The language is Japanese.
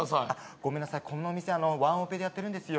ごめんなさい、このお店ワンオペでやっているんですよ。